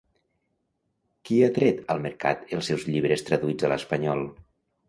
Qui ha tret al mercat els seus llibres traduïts a l'espanyol?